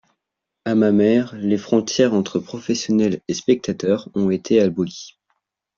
À Mamers, les frontières entre professionnels et spectateurs ont été abolies.